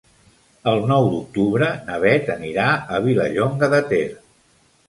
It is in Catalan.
El nou d'octubre na Beth anirà a Vilallonga de Ter.